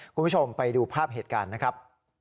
คุณผู้ชมไปดูภาพเหตุการณ์นะครับ